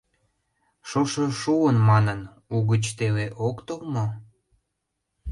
Шошо шуын манын, угыч теле ок тол мо?